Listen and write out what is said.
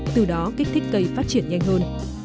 từ đó kích thích cây phát triển nhanh hơn